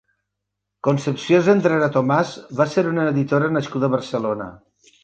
Concepció Zendrera Tomás va ser una editora nascuda a Barcelona.